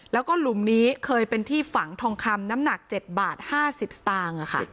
แล้วก็หลุมนี้เคยเป็นที่ฝังทองคำน้ำหนัก๗บาท๕๐สตางค์